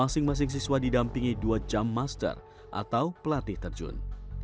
siswa didampingi dua jump master atau pelatih terjun